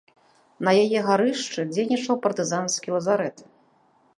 На яе гарышчы дзейнічаў партызанскі лазарэт.